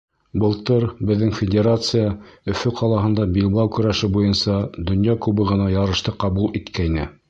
Былтыр беҙҙең Федерация Өфө ҡалаһында билбау көрәше буйынса Донъя кубогына ярышты ҡабул иткәйне.